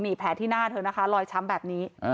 นี่แผลที่หน้าเธอนะคะรอยช้ำแบบนี้